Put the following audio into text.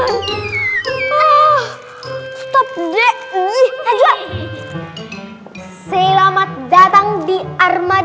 aku itu petugas yang bawa bawa barang